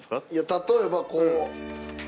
例えばこう。